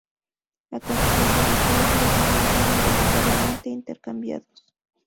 A consecuencia del caos, los niños son involuntariamente intercambiados.